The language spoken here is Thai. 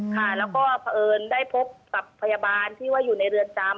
ค่ะแล้วก็เผอิญได้พบกับพยาบาลที่ว่าอยู่ในเรือนจำ